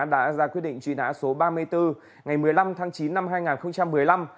đã ra quyết định truy nã số ba mươi bốn ngày một mươi năm tháng chín năm hai nghìn một mươi năm